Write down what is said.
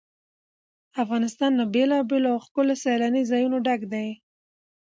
افغانستان له بېلابېلو او ښکلو سیلاني ځایونو ډک دی.